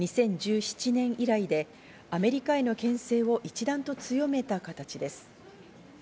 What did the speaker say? ２０１７年以来で、アメリカへの牽制を一段と強めた形です。